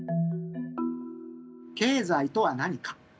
経済とは何か。